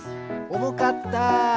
おもかった。